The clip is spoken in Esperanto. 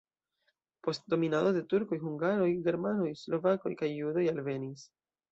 Post dominado de turkoj hungaroj, germanoj, slovakoj kaj judoj alvenis.